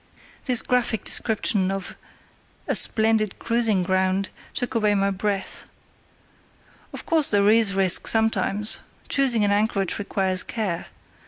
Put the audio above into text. This graphic description of a "splendid cruising ground" took away my breath. "Of course there is risk sometimes—choosing an anchorage requires care.